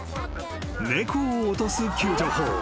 ［猫を落とす救助法］